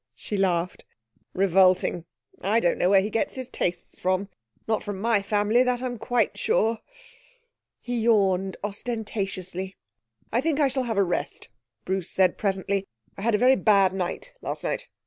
She laughed. 'Revolting! I don't know where he gets his tastes from. Not from my family, that I'm quite sure.' He yawned ostentatiously. 'I think I shall have a rest,' Bruce said presently. 'I had a very bad night last night.